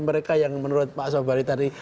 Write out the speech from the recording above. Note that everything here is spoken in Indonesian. mereka yang menurut pak sobari tadi